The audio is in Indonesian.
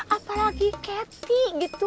apalagi keti gitu